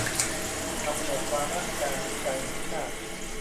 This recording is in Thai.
กำหนดวาระการวิจัยแห่งชาติ